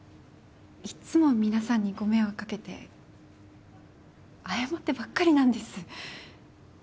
いつも皆さんにご迷惑かけて謝ってばっかりなんです。